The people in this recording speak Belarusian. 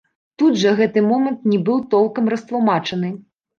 Тут жа гэты момант не быў толкам растлумачаны.